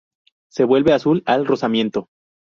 Se vuelve azul al rozamiento.